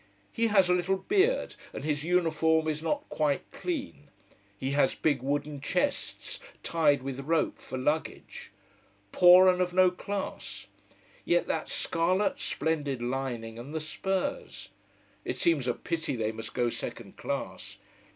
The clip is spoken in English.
He has a little beard, and his uniform is not quite clean. He has big wooden chests, tied with rope, for luggage. Poor and of no class. Yet that scarlet, splendid lining, and the spurs. It seems a pity they must go second class.